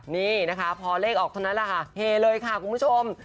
นี่นะคะพอเลขออกเท่านั้นแหละค่ะเฮเลยค่ะคุณผู้ชม